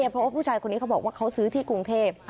เพราะว่าผู้ชายคนนี้เขาบอกว่าเขาซื้อที่กรุงเทพ